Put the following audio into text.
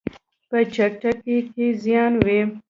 په چټکۍ کې زیان وي.